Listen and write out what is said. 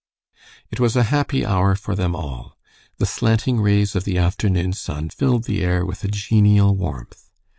It was a happy hour for them all. The slanting rays of the afternoon sun filled the air with a genial warmth.